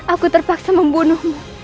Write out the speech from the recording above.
aku terpaksa membunuhmu